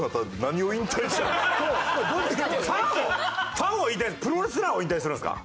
ファンを引退するプロレスラーを引退するんですか？